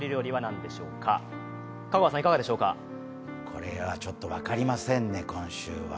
これはちょっと分かりませんね、今週は。